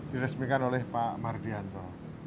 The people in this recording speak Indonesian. diresmikan oleh pak mardianto